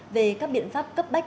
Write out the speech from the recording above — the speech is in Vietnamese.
về các biện pháp cấp bách